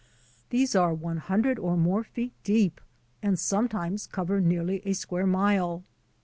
These are one hundred or more feet deep and sometimes cover nearly a square mile.